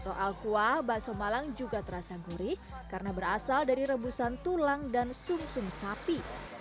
soal kuah bakso malang juga terasa gurih karena berasal dari rebusan tulang dan sum sum sapi